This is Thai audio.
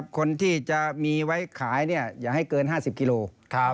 คนที่จะมีไว้ขายอย่าให้เกิน๕๐กิโลกรัม